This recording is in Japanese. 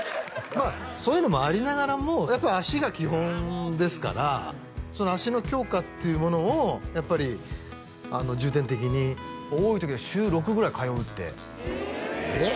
まあそういうのもありながらもやっぱ足が基本ですからその足の強化っていうものをやっぱり重点的に「多い時は週６ぐらい通う」ってええっ？